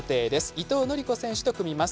伊藤則子選手と組みます。